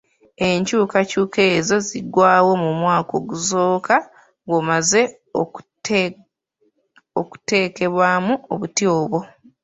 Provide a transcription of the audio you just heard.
Enkyukakyuka ezo ziggwaawo mu mwaka ogusooka ng'omaze okuteekebwamu obuti obwo.